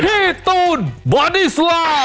พี่ตูนบอนิสลาม